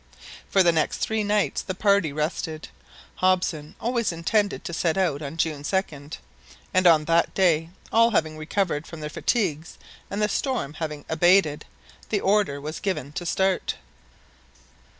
For the next three nights the party rested. Hobson always intended to set out on June 2d; and on that day, all having recovered from their fatigues and the storm having abated, the order was given to start.